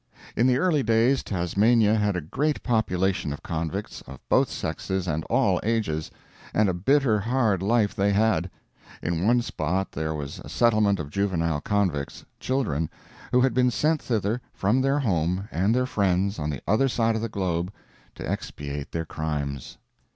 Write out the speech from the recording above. In the early days Tasmania had a great population of convicts, of both sexes and all ages, and a bitter hard life they had. In one spot there was a settlement of juvenile convicts children who had been sent thither from their home and their friends on the other side of the globe to expiate their "crimes."